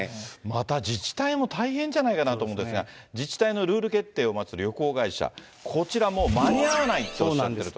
また自治体も大変じゃないかなと思うんですが、自治体のルール決定を待つ旅行会社、こちらも間に合わないとおっしゃっている。